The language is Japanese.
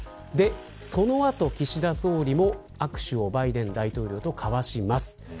そのあと岸田総理も握手をバイデン大統領と交わします。